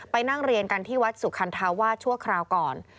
ไปนั่งเรียนกันที่วัดสุคันธาวาสชั่วคราวก่อน